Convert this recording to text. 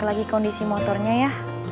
lagi kondisi motornya ya